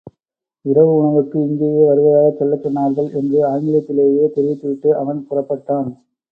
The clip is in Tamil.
இரவு உணவுக்கு இங்கேயே வருவதாகச் சொல்லச் சொன்னார்கள் என்று ஆங்கிலத்திலேயே தெரிவித்துவிட்டு அவன் புறப்பட்டான்.